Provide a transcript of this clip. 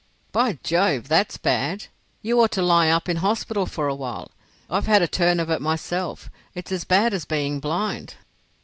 "By Jove! that's bad. You ought to lie up in hospital for a while. I've had a turn of it myself. It's as bad as being blind."